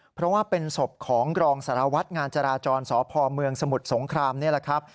เพราะว่าเป็นศพของกรองสารวัตรงานจราจรสพเมืองสมุทรสงครามนี่แหละครับ